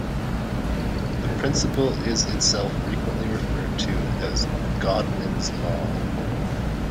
This principle is itself frequently referred to as Godwin's law.